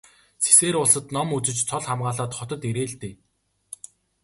Сэсээр улсад ном үзэж цол хамгаалаад хотод ирээ л дээ.